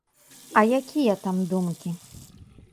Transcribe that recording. А якія там думкі?